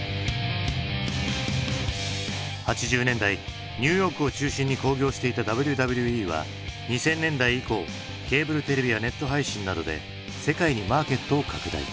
８０年代ニューヨークを中心に興行していたＷＷＥは２０００年代以降ケーブルテレビやネット配信などで世界にマーケットを拡大。